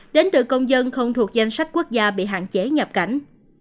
đến từ công dân không thuộc danh sách quốc gia bị hạn chế nhập cảnh